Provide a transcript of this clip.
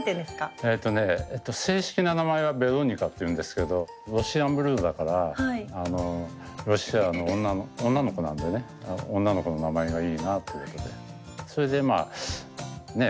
えっとねえっと正式な名前はベロニカっていうんですけどロシアンブルーだからあのロシアの女の子なんでね女の子の名前がいいなってことでそれでまあねえ